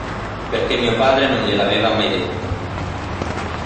Perché mio padre non gliel'aveva mai detto.